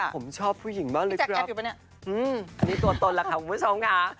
ผมชอบผู้หญิงมากเลยครับอันนี้ตัวตนล่ะค่ะคุณผู้ชมค่ะ